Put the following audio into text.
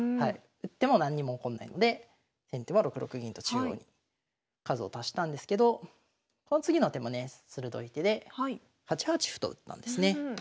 打っても何にも起こんないので先手も６六銀と中央に数を足したんですけどこの次の手もね鋭い手で８八歩と打ったんですね。